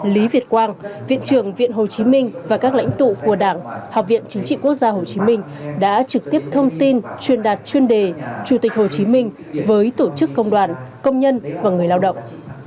lý việt quang viện trưởng viện hồ chí minh và các lãnh tụ của đảng học viện chính trị quốc gia hồ chí minh đã trực tiếp thông tin truyền đạt chuyên đề chủ tịch hồ chí minh với tổ chức công đoàn công nhân và người lao động